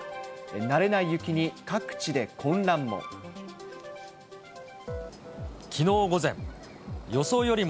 慣れない雪に各地で混乱も。